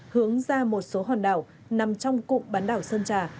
hướng ra một số hòn đảo nằm trong cụm bán đảo sơn trà